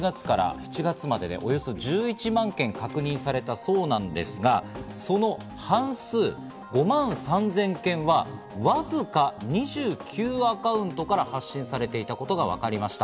これが今年の１月から７月までで、およそ１１万件確認されたそうなんですが、その半数５万３０００件は、わずか２９アカウントから発信されていたことがわかりました。